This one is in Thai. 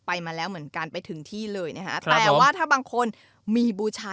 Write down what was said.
ไปมาแล้วเหมือนกันไปถึงที่เลยนะคะ